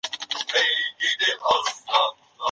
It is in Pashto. هلک په وېره کې د انا سترګو ته په ځير وکتل.